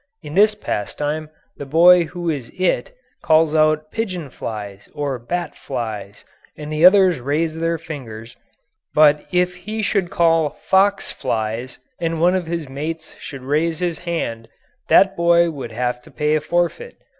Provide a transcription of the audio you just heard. In this pastime the boy who is "it" calls out "pigeon flies," or "bat flies," and the others raise their fingers; but if he should call "fox flies," and one of his mates should raise his hand, that boy would have to pay a forfeit.